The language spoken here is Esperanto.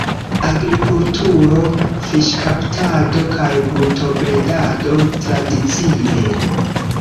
Agrikulturo, fiŝkaptado kaj brutobredado tradicie.